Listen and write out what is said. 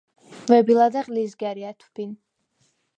ვები ლადეღ ლიზგა̈რი ა̈თვბინ;